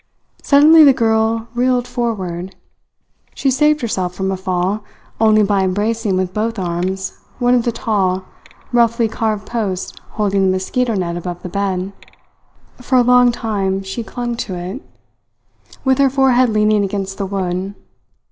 Suddenly the girl reeled forward. She saved herself from a fall only by embracing with both arms one of the tall, roughly carved posts holding the mosquito net above the bed. For a long time she clung to it, with her forehead leaning against the wood.